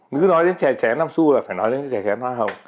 cứ nói đến chè chén nam su là phải nói đến chè chén hoa hồng